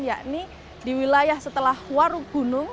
yakni di wilayah setelah waru gunung